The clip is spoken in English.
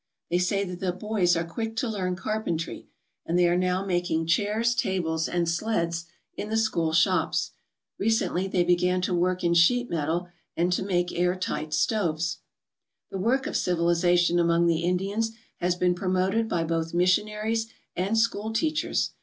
They say that the boys are quick to learn carpentry, and they are now making chairs, tables, and sleds in the school shops. Recently they began to work in sheet metal and to make airtight stoves. The work of civilization among the Indians has been promoted by both missionaries and school teachers.